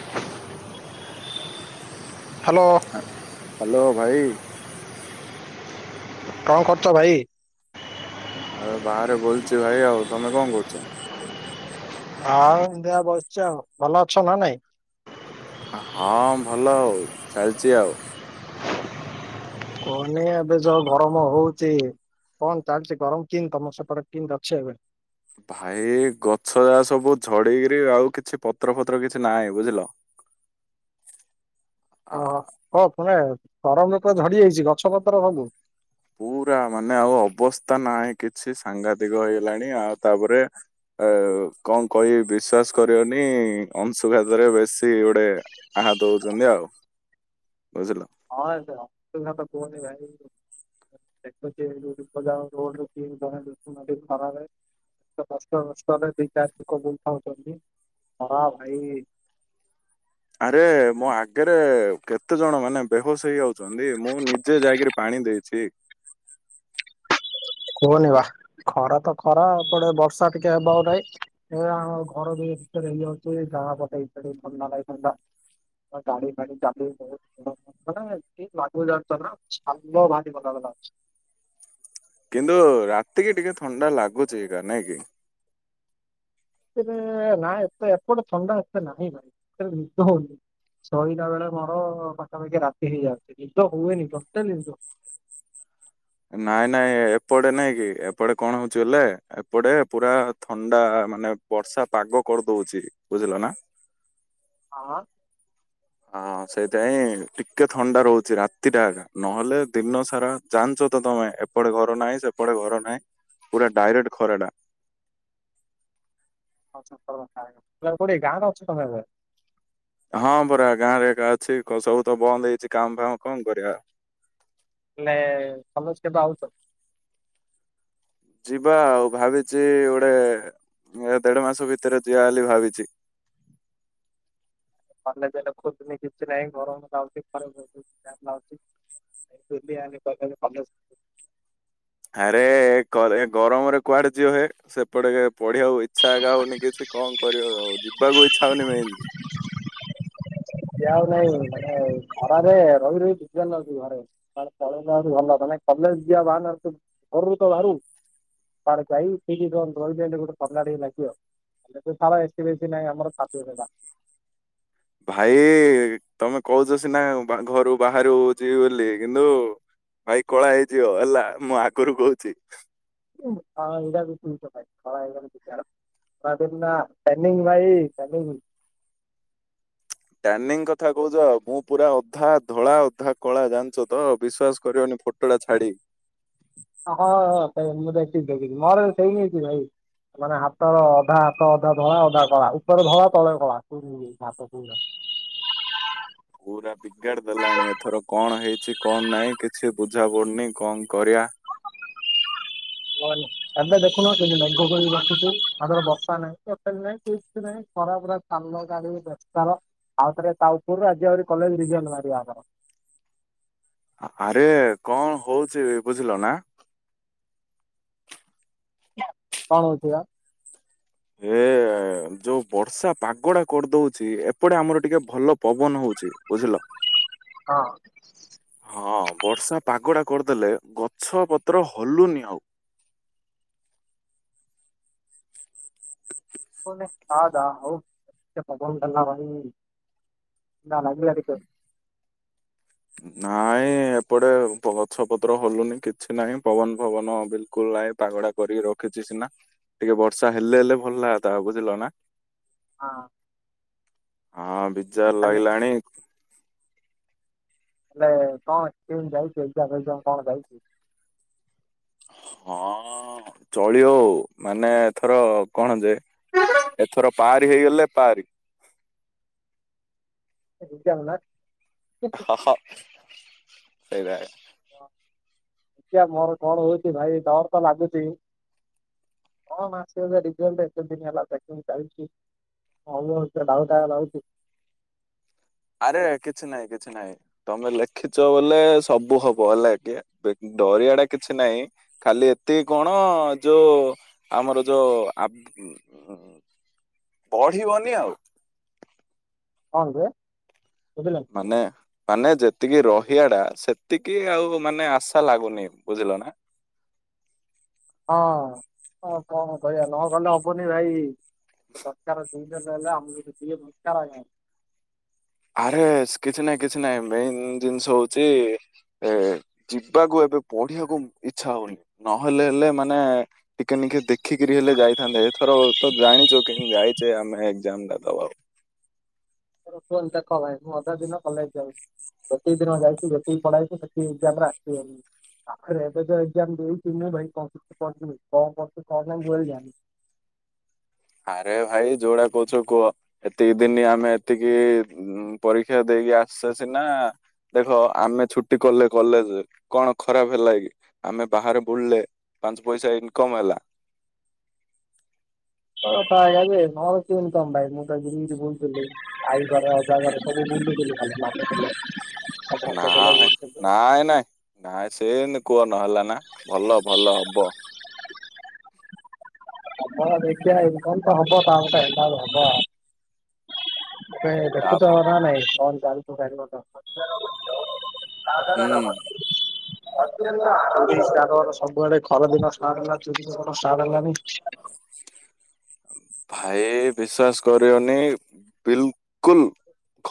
[inaudible] Hello. Hello ଭାଇ। କଣ କରୁଛ ଭାଇ? ଆଉ ବାହାରେ ବଇଛି ଭାଇ ଆଉ ତମେ କଣ କରୁଛ? ହଉ ହେତିଆ ବସିଛି ଆଉ ଭଲ ଅଛ ନା ନାଇଁ? ହଁ ଭଲ ହଉ ଚାଲିଛି ଆଉ। କୁହନି ଏବେ ଯଉ ଗରମ ହଉଛି। କଣ ଚାଲିଛି ଗରମ କିନ୍ ତମ ସେପଟେ କିନ ଅଛି ଏବେ। ଭାଇ ଗଛ ଯାହା ସବୁ ଝଡିକରି ଆଉ କିଛି ପତ୍ର ଫତ୍ର କିଛି ନାହିଁ ବୁଝିଲ। ଆ। [unintelligible] ଗରମ ତେ ଝଡିଯାଇଛି ଗଛ ପତ୍ର ସବୁ। ପୁରା ମାନେ ଆଉ ଅବସ୍ଥା ନାହିଁ କିଛି ସାଂଘାତିକ ହେଇଗଲାଣି ଆଉ ତାପରେ ଆ କଣ କହିବି ବିଶ୍ଵାସ କରିବନି ଅଂଶୁଘାତରେ ବେଶୀ ଗୋଟେ ଆହା ଦଉଛନ୍ତି ଆଉ ବୁଝିଲ। ହଁ ଏବେ ଅଂଶୁଘାତ କୁହନି ଭାଇ। [unintelligible] ଖରା ବେଳେ। କଷ୍ଟ ମଷ୍ଟ ହେଲେ ଦି ଚାରି ଲୋକ ବୁଲଥାଉଛନ୍ତି ଖରା ଭାଇ ଆରେ ମୋ ଆଗରେ କେତେ ଜଣ ମାନେ ବେହୋସ ହେଇଯାଉ ଛନ୍ତି ମୁଁ ନିଜେ ଯାଇକିରି ପାଣି ଦେଇଛି। କୁହନି ବା ଖରା ତ ଖରା ଏପଟେ ବର୍ଷା ଟିକେ ହେବାକୁ ନାଇଁ। ଏ ଆମ ଘର ଯାଇ ଭିତରେ ହେଇଯାଉଛି ଜାଳ ପକେଇ [unintelligible] ଥଣ୍ଡା ଲଗିଥାଆନ୍ତା। ହଁ ଗାଡ଼ି ଫାଡି ଚାଲି [unintelligible] [unintelligible] କିନ୍ତୁ ରାତିକି ଟିକେ ଥଣ୍ଡା ଲାଗୁଛି ଏକା ନାଇଁ କି। ତିରେ ନାଁ ଏତେ ଏପଟେ ଥଣ୍ଡା ଏତେ ନାହିଁ [inaudible] ନିଦ ହଉନି। ଶୋଇଲା ବେଳେ ମୋର ପାଖାପାଖି ରାତି ହେଇଯାଉଛି ନିଦ ହୁଏନି ଟୋଟାଲି ନିଦ। ନାଇଁ ନାଇଁ ଏପଟେ ନାଇଁ କି ଏପଟେ କଣ ହଉଛି ହେଲେ ଏପଟେ ପୁରା ଥଣ୍ଡା ମାନେ। ବର୍ଷା ପାଗ କରିଦଉଛି ବୁଝିଲ ନା। ହଁ। ହଁ ସେଇଥିପାଇଁ ଟିକେ ଥଣ୍ଡା ରହୁଛି ରାତିଟା ଏକା ନହେଲେ ଦିନ ସାରା। ଜାଣିଛ ତ ତମେ ଏପଟେ ଘର ନାହିଁ ସେପଟେ ଘର ନାହିଁ ପୁରା ଡାଇରେକ୍ଟ ଖରା ଟା। [inaudible] କଉଠି ଗାଁ ରେ ଅଛ ତମେ ଏବେ? ହଁ ପରା ଗାଁରେ ଏକା ଅଛି କ ସବୁ ତ ବନ୍ଦ ହେଇଛି କାମ ଫାମ କଣ କରିବା। ହେଲେ ସମସ୍ କେବେ ଆଉଛ? ଯିବା ଆଉ ଭାବିଛି ଗୋଟେ ଉଁ ଦେଢ ମାସ ଭିତରେ ଯିବା ବୋଲି ଭାବିଛି। କଲେଜ ହେଲେ ଖୋଲୁନି କିଛି ନାହିଁ ଗରମ ଲାଗୁଚି [inaudible] [inaudible] କଲେଜ ଆରେ ଗରେ ଏ ଗରମରେ କୁଆଡେ ଯିବ ହେ ସେପଟେ ପଢି ହବ ଇଚ୍ଛା ଏକା ହଉନି କିଛି କଣ କରିବ ଆଉ ଯିବାକୁ ଇଚ୍ଛା ହଉନି ମେନଲି। ସିଏ ଆଉ ନାଇଁ ମାନେ ଖରାରେ ରହି ରହି [unintelligible] ନାଗୁଚି ଘରେ। କୁଆଡେ ପଳେଇଲେ ଆହୁରି ଭଲ ମାନେ କଲେଜ ଯିବା ବାହାନାରେ ତୁ ଘରୁ ତ ବାହାରୁ। କୁଆଡେ ଯାଇ କିଛି ସମୟ ରହିଲେ ହେଲେ [unintelligible] ଥଣ୍ଡା ଟିକେ ଲାଗିବ। [unintelligible] ଏ ସି ଫେ ସି ନାହିଁ ଆମର [unintelligible] ଭାଇ ତମେ କହୁଛ ସିନା ବା ଘରୁ ବାହାରୁ ଯିବି ବୋଲି କିନ୍ତୁ। ଭାଇ କଳା ହେଇଯିବ ହେଲା ମୁଁ ଆଗରୁ କହୁଛି। [unintelligible] କଳା ହେଇଗଲେ [unintelligible] [inaudible] ଟ୍ୟାନିଙ୍ଗ ଭାଇ ଟ୍ୟାନିଙ୍ଗ। ଟ୍ୟାନିଙ୍ଗ କଥା କହୁଚ ମୁଁ ପୁରା ଅଧା ଧଳା, ଅଧା କଳା ଜାଣିଛ ତ ବିଶ୍ଵାସ କରିବନି ଫ ଟ ଟା ଛାଡି ଅ ହ [unintelligible] ମୁଁ ଦେଖିଛି ଦେଖିଛିି ମୋର ବି ସେମ [unintelligible] ଭାଇ। ମାନେ ହାତର ଅଧା ହାତ ଅଧା ଧଳା, ଅଧା କଳା ଉପର ଧଳା, ତଳେ କଳା ଉଁ ଉଁ ମୋ ହାତ [unintelligible] ପୁରା ବିଗାଡି ଦେଲାଣି ଏଥର କଣ ହେଇଚି କଣ ନାଇଁ କିଛି ବୁଝା ପଡୁନି କଣ କରିଆ। [unintelligible] ଏବେ ଦେଖୁନ [unintelligible] ମେଘ ପରି ଭାସୁଛି [unintelligible] ବର୍ଷା ନାହିଁ ଟୋଟାଲ ନାହିଁ କିଛି ନାହିଁ ଖରା ପୁରା। ଆମ ଗାଡି ବେପାର ଆଉ ଥରେ ତା ଉପରୁ [inaudible] ଆମର। ଆ-ଆରେ କଣ ହଉଚି ବୁଝିଲ ନା। କଣ ହଉଚି ବା? ଏ [inaudible] ଯୋଉ ବର୍ଷା ପାଗ ଟା କରିଦଉଚି ଏପଟେ ଆମର ଟିକେ ଭଲ ପବନ ହଉଚି ବୁଝିଲ। ହଁ। ହଁ ବର୍ଷା ପାଗ ଟା କରିଦେଲେ ଗଛ ପତ୍ର ହଲୁନି ଆଉ। [unintelligible] ହଉ ଏ ପବନ ଦେଲା ଭାଈ ନା ନା ଯିବା ଦେଖିବା ନାଇଁ ଏପଟେ ପ ଗଛ, ପତ୍ର ହଲୁନି କିଛି ନାଇଁ ପବନ ଫବନ ବିଲକୁଲ ନାଇଁ ପାଗ ଟା। କରିକି ରଖିଛି ସିନା ଟିକେ ବର୍ଷା ହେଲେ ହେଲେ ଭଲ ଲାଗତା ବୁଝିଲ ନା। ହଁ। ହଁ ବିଜାର ହେଲେ ଲାଗିଲାଣି ହେଲେ କଣ ସ୍କୁଲ୍ ଯାଇଚି ଏଗ୍ଜାମ୍ ଫେଗ୍ଜାମ୍ କଣ ଯାଇଚି? ହଁ ଚଳିବଉ, ମାନେ ଏଥର କଣ ଯେ ଏଥର ପାରି ହେଇଗଲେ, ତାରି। ଯାଉନା ଅହ ସେରା ଦେଖିଆ ମୋର କଣ ହଉଚି ଭାଇ, ଡରତ ଲାଗୁଚି। କଣ ଆସିବ ରିଜେଲ୍ଟେ ଏତେଦିନି ହେଲା ଚେକିଗ୍ ଚାଲିଚି। ହଁ ମୁ [unintelligible] ଆରେ କିଛି ନାଇଁ, କିଛି ନାଇଁ। ନାଇଁ ତମେ ଲେଖିଛ ବୋଲେ ସବୁ ହବ ହେଲାକି କେ ଡରିଆଟା କିଛି ନାହିଁ। ଖାଲି ଏତିକି କଣ, ଯୋଉ ଆମର ଯୋଉ ଆ [inaudible] ପଢିବନି ଆଉ। ହଁଯେ ବୁଝିଲକି? ମାନେ ମାନେ ଯେତିକି ରହିବାଟା ସେତିକି ଆଉ ମାନେ ଆଶା ଲାଗୁନି ବୁଝିଲନା? ହଁ, ଆଉ କଣ କରିବା ନଗଲେ ହବନି ଭାଇ। ତସରକାର ଦୁଇଟା ନହେଲେ, ଆମକୁ ସେତିକି ଦରକାର୍ ହବ। ଆରେ ସେ କିଛି ନାଇଁ କିଛି ନାଇଁ, ମେନ୍ ଜିନିଷ ହଉଚି ଏ ଯିବାକୁ ଏବେ ପଢିବାକୁ ଇଚ୍ଛା ହଉନି ନହେଲେ ହେଲେ ମାନେ ଟିକେ ନିିକେ ଦେଖିକିରି ହେଲେ ଯାଇଥାନ୍ତେ, ଏଥରତ ଜାଣିଚ କେମିତି ଯାଇଚେ ଆମେ ଏଗ୍ଜାମ୍ ଟା ଦବାକୁ ଆଉ। ତାର ଫୋନଟା କହ ଭାଇ, ମୁଁ ଅଧା ଦିନ କଲେଜ୍ ଯାଉଚି। ପ୍ରତିଦିନ ଯାଇଚି, ଯେତିକି ପଢ଼ା ଯାଇଚି ସେତିକି ଏଗ୍ଜାମ୍ ଏଗ୍ଜାମ୍ ଆସିବନି। ଆଖରେ ଏବେତ ଏଗ୍ଜାମ୍ ଦେଇଥିଲ ଭାଇ କମ୍ପୁଟର କଁ କରୁଚି କଁ ନାଇଁ ମୁଟୋଟାଲି ଜାଣିନ। ଆରେ ଭାଇ ଯୋଉଡ଼ା କୋହୁଚ କୁହ। ଏତିକି ଦିନି ଆମେ ଏତିକି ପରୀକ୍ଷା ଦେଇ ଆସିଛେ ସିନା ଦେଖ ଆମେ ଛୁଟି ଖୋଲିଲେ କଲେଜ୍ କଣ ଖରାପ ହେଲାକି ଆମେ ବାହାରେ ବୁଲିଲେ ପାଞ୍ଚ ପଇସା ଇନକମ୍ ହେଲା‌ [unintelligible] ହଁ ମୁଁ ତିରି କହୁଥିଲି ମୁତ ଯିମି [unintelligible] ଆଈ ଘର ଅଜା ଘର ସୁବୁ ବୁଲୁଥିଲି ଖାଲି [unintelligible] ଦେଲେ ନା--ଇଁ, ନାଇଁ ନାଇଁ। ନାଇଁ ସେନିତି କୁହ ନହେଲାନା ଭଲ ଭଲ ହବ। ଆପଣ ଦେଖିଆ ଇନକମତ ହବ ତ ଗୋଟେ ହେଲେ ହବ। ତମେ ତା ଦେଖୁଚନା ନାଇଁ କଣ ଚାଲିଚି ଗାଡ଼ି ମଟର [unintelligible] ହୁଁ ପୁରୀ ଷ୍ଟାଷ୍ଟ ହବ ତସବୁ ଆଡ଼େ ଖରା ଷ୍ଟାର୍ଟ ହେଲା ଭାଇ ବିଶ୍ଵାସ କରିବନି ବିଲକୁଲ୍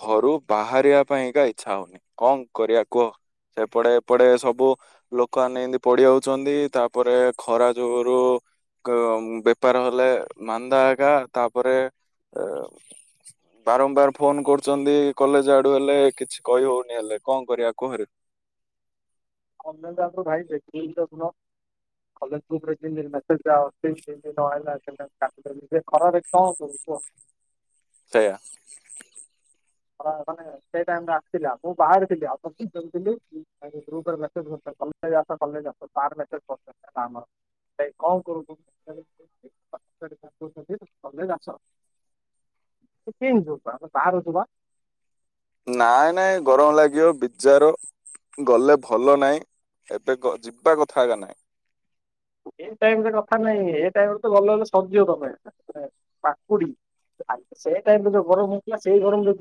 ଘରୁ ବାହାରିବା ପାଇଁକା ଇଚ୍ଛା ହଉନି କଣ କରିବା କୁହ। ସେପଟେ ଏପଟେ ସବୁ ଲୋକମାନେ ଏମିତି ପଡ଼ି ହାଉଛନ୍ତି ତାପରେ ଖରା ଯୋଗରୁ ବେପାର ହେଲେ ମାନ୍ଦ ହେ ଏକା ତାପରେ [inaudible] ବାରମ୍ବାର ଫୋନ୍ କରୁଚନ୍ତି କଲେଜ୍ ଆଡ଼ୁ ହେଲେ କିଛି କହିହଉନି ହେଲେ କଣ କରିବା କୁହରେ? [unintelligible] [unintelligible] ସେଇଆ। ମାନେ ସେଇ ଟାଇମରେ ଆସିଥିଲା। ମୁଁ ବାହାରିଥିଲି ଆଉ [unintelligible] [unintelligible] [unintelligible] ତୁ କୀନ୍ତି ଯିବୁ [unintelligible] ନାଇଁ ନାଇଁ ଗରମ ଲାଗିବ ବିଜାର ଗଲେ ଭଲ ନାଇ ଏବେ ଯିବା କଥା ହେକା ନାହିଁ। ଏଇ ଟାଇମରେ କଥା ନାହିଁ ଏ ଟାଇମରେ ତ ଭଲ ହେଲେ ସଜିବ ତମେ ପାକୁଡି। ଆ ସେ ଟାଇମରେ ଯୋଉ ଗରମ ହଉଥିଲା। ସେଇ ଗରମରେ [unintelligible]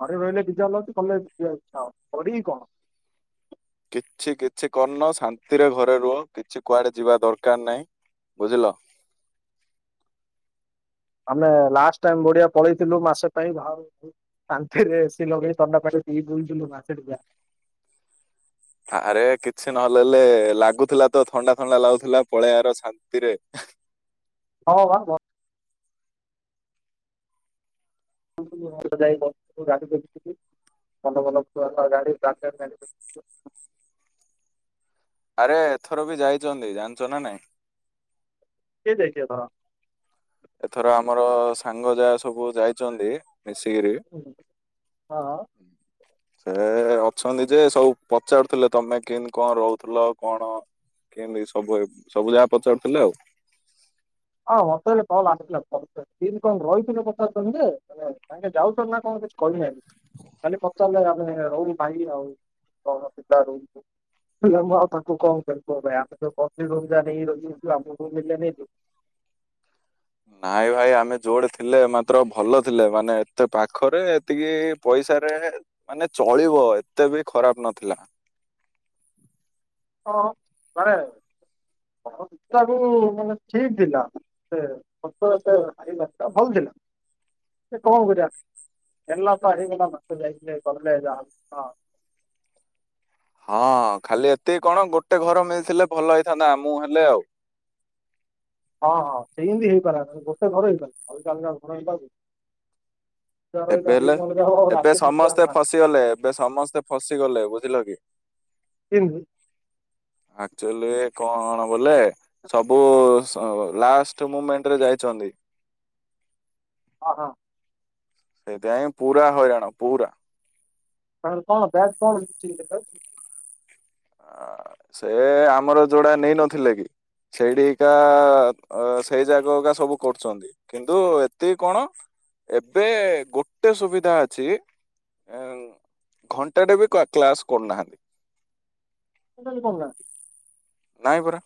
ଘରେ ରହିଲେ ବିଯାର ଲାଗୁଚି। କଲେଜ ଯିବାକୁ ଇଚ୍ଛା ହଉନି କରିବି କଣ? କିଛି କିଛି କରନ ଶାନ୍ତିରେ ଘରେ ରୁହ କିଛି କୁଆଡେ ଯିବା ଦରକାର ନାହିଁ ବୁଝିଲ। ଆମେ ଲାଷ୍ଟ ଟାଇମ ବଡିିଆ ପଳେଇଥିଲୁ ମାସେ ପାଇଁ ଭାରକୁ। କାନ୍ଥିରେ ଏସି ଲଗେଇ ଥଣ୍ଡା ପାରେ ପି ବୁଲିଥିଲୁ ମାସେ ଟିକା। ଆରେ କିଛି ନହେଲେଲେ ଲାଗୁଥିଲା ତ ଥଣ୍ଡା ଥଣ୍ଡା ଲାଗୁଥିଲା ପଳେଇବାର ଶାନ୍ତିରେ। ହଉ ବା ବ [unintelligible] ଆରେ ଏଥର ବି ଯାଇଛନ୍ତି ଜାଣିଛ ନା ନାଇଁ। କିଏ ଯାଇଚି ଏଥର? ଏଥର ଆମର ସାଙ୍ଗ ଯାହା ସବୁ ଯାଇଛନ୍ତି ମିଶିକିରି। ହଁ ହଁ। ସେ ଅଛନ୍ତି ଯେ ସବୁ ପଚାରୁଥିଲେ ତମେ କେମତି କଣ ରହୁଥିଲ କଣ? କେମତି ସବୁ ସବୁ ଯାକ ପଚାରୁଥିଲେ ଆଉ। [unintelligible] କିନ୍ତୀ କଣ ରହିଥିଲେ ପଚାରୁଛନ୍ତି ଯେ ହେଲେ ତାଙ୍କେ ଯାଉଛନ୍ତି ନା କଣ କିଛି କହିନାହାନ୍ତି। ଖାଲି ପଚାରିଲେ ଆମେ ରହୁନୁ ଭାଇ ଆଉ କଣ ପିଲା ରହୁଛୁ। ହେଲେ ମୁଁ ଆଉ ତାଙ୍କୁ କଣ କହିବା [unintelligible] ନାଇଁ ଭାଇ ଆମେ ଯୋଉଡେ ଥିଲେ ମାତ୍ର ଭଲ ଥିଲେ ମାନେ ଏତେ ପାଖରେ ଏତିକି ପଇସାରେ ମାନେ ଚଳିବ ଏତେ ବି ଖରାପ ନଥିଲା। ହଁ ମାନେ ଘଣ୍ଟାକୁ ମାନେ ଠିକ୍ ଥିଲା। [unintelligible] ସେ କଣ କରିବା ହେଲା ତ ହେଇଗଲା [unintelligible] ହଁ ଖାଲି ଏତିକି କଣ ଗୋଟେ ଘର ମିଳିି ଥିଲି ଭଲ ହେଇଥାନ୍ତା ଆମୁକୁ ହେଲେ ଆଉ। ହଁ ହଁ ସେଇମିତି ହେଇପାରେ ଗୋଟେ ଘର ହେଇପାରେ ଅଲଗା ଅଲଗା ଘର ହେଇଯାଉଚି। [unintelligible] ଫସି ଗଲେ ଏବେ ସମସ୍ତେ ଫସି ଗଲେ ବୁଝିଲ କି [unintelligible] ଆକଚୁଲି କଣ ବୋଲେ? ସବୁ ସ ଲାଷ୍ଟ ମୁମେଣ୍ଟରେ ଯାଇଛନ୍ତି। ହଁ ହଁ। ସେଇଥିପାଇଁ ପୁରା ହଇରାଣ ପୁରା। ତା କଣ ବ୍ୟାଜ୍ କଣ [unintelligible] ସେ ଆମର ଯୋଉଡା ନେଇ ନଥିଲେ କି? ସେଇଠିକା ଅ ସେଇ ଜାଗା ଅକା ସବୁ କରୁଛନ୍ତି। କିନ୍ତୁ ଏତିକି କଣ ଏବେ ଗୋଟେ ସୁବିଧା ଅଛି। ଘଣ୍ଟାଟେ ବି କ୍ଲାସ କରୁନାହାନ୍ତି। ଟୋଟାଲି କରୁନା। ନାଇଁ ପରା।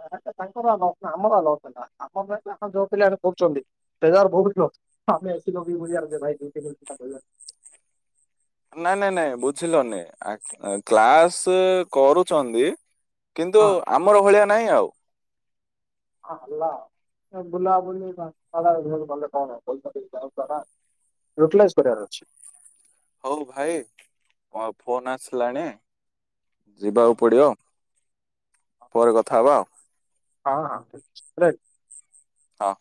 ଆ ତାଙ୍କର ଆଲୋଚନା ଆମର ଆଲୋଚନା ଆମ ପାଇଁ ତାଙ୍କଯୋଉପିଲାରେ କରୁଚନ୍ତି। ତଜାର ବହୁ କିିଲ [unintelligible] ଆମ ଏ ଭ। ନାଇଁ ନାଇଁ ନାଇଁ ବୁଝିଲନି କ୍ଲାସେ କରୁଚନ୍ତି। କିନ୍ତୁ ହଁ ଆମର ଭଳିଆ ନାହିଁ ଆଉ। ହଁ ହେଲା ଆଉ ବୁଲାବୁଲି ବାଦସାଳାଏରିଏଲ କଲେ କଣ ହେବ। ପଇସା ଦେଇ କିଣୁଚନା। ୟୁଟିଲାଇଜ୍ କରିବାର ଅଛି। ହଉ ଭାଇ ମୋ ଫୋନ ଆସିଲାଣି। ହଁ ଯିବାକୁ ପଡିବ। ପରେ କଥା ହେବା ଆଉ। ହଁ ହଁ ବ୍ରେକ। ହଁ।